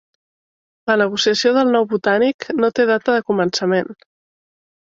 La negociació del nou Botànic no té data de començament